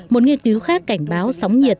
một nghiên cứu khác cảnh báo sóng nhiệt